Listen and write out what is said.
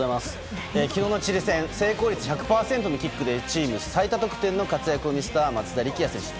昨日のチリ戦成功率１００％のキックでチーム最多得点の活躍を見せた松田力也選手。